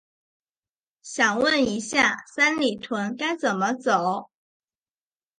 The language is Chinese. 想问一下，三里屯该怎么走？